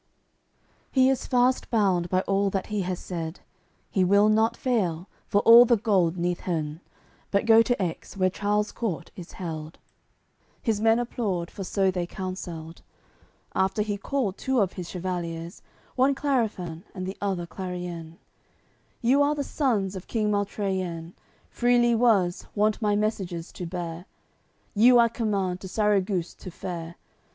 CXCIII He is fast bound by all that he has said. He will not fail, for all the gold neath heav'n, But go to Aix, where Charles court is held: His men applaud, for so they counselled. After he called two of his chevaliers, One Clarifan, and the other Clarien: "You are the sons of king Maltraien, Freely was, wont my messages to bear. You I command to Sarraguce to fare.